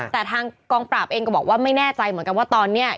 แต่ทางกองปราบเองก็บอกว่าไม่แน่ใจเหมือนกันว่าตอนนี้